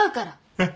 えっ？